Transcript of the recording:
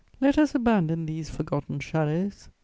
Let us abandon these forgotten shadows!